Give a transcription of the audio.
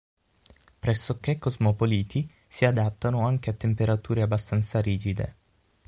Pressoché cosmopoliti, si adattano anche a temperature abbastanza rigide.